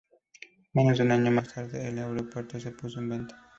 Menos de un año más tarde, el aeropuerto se puso en venta.